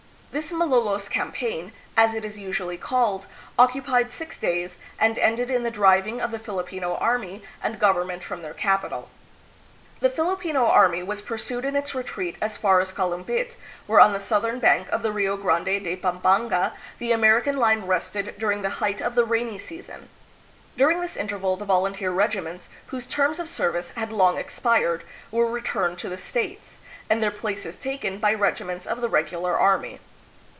This Malolos campaign, as it is usually called, occupied six days, and ended in the driving of the Filipino army and government from their capital. The Filipino army was pursued in its retreat as far as Kalumpit, where on the southern bank of the Rio Grande de Pampanga the American line rested during the height of the rainy season. During this interval the volunteer regiments, whose terms of service had long expired, were returned to the States, and their places taken by regi ments of the regular army.